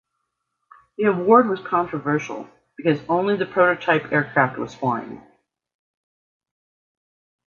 The award was controversial because only the prototype aircraft was flying.